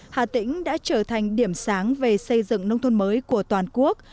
hà tĩnh đã trở thành điểm sáng về xây dựng nông thôn mới của toàn quốc